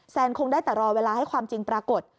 คงได้แต่รอเวลาให้ความจริงปรากฏ